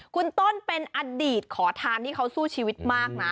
คุณต้นเป็นอดีตขอทานที่เขาสู้ชีวิตมากนะ